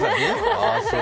ああ、そう。